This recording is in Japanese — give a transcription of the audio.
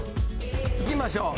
いきましょう。